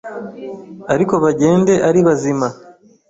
ariko bagende ari bazima”.